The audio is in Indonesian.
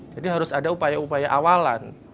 jadi harus ada upaya upaya awalan